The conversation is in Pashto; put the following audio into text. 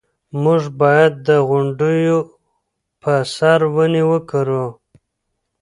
موږ باید د غونډیو په سر ونې وکرو.